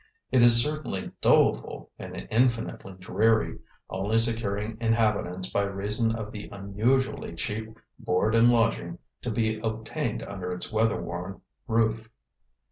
It is certainly doleful, and infinitely dreary, only securing inhabitants by reason of the unusually cheap board and lodging to be obtained under its weather worn roof.